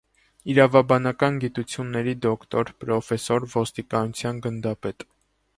Իրավաբանական գիտությունների դոկտոր, պրոֆեսոր, ոստիկանության գնդապետ։